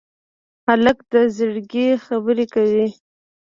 هلک له زړګي خبرې کوي.